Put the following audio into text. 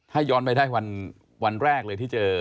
ถ้าย้อนไปได้วันแรกเลยที่เจอ